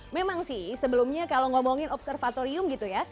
memang sih sebelumnya kalau ngomongin observatorium gitu ya